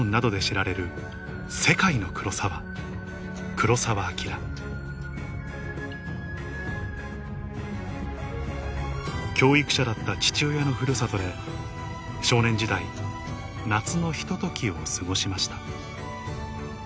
黒澤明教育者だった父親のふるさとで少年時代夏のひとときを過ごしました